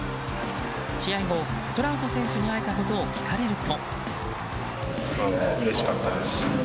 試合後、トラウト選手に会えたことを聞かれると。